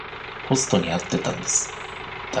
ホストに会ってたんです。